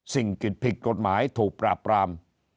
สิ่งผิดกฎหมายถูกปราบปราม